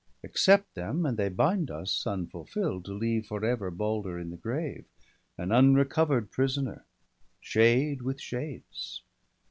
Accept them, and they bind us, unfulfiU'd, To leave for ever Balder in the grave, An unrecover'd prisoner, shade with shades.